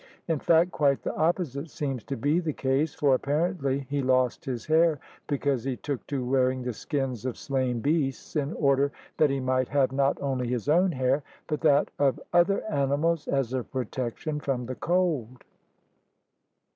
In fact quite the opposite seems to be the case, for apparently he lost his hair because he took to wearing the skins of slain beasts in order that he might have not only his own hair but that of other animals as a protec tion from the cold.